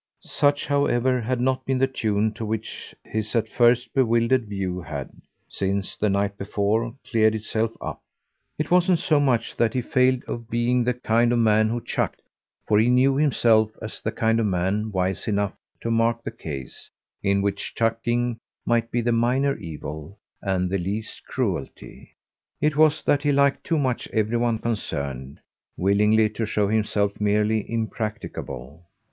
Such, however, had not been the tune to which his at first bewildered view had, since the night before, cleared itself up. It wasn't so much that he failed of being the kind of man who "chucked," for he knew himself as the kind of man wise enough to mark the case in which chucking might be the minor evil and the least cruelty. It was that he liked too much every one concerned willingly to show himself merely impracticable.